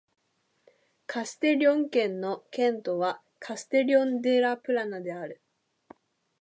カステリョン県の県都はカステリョン・デ・ラ・プラナである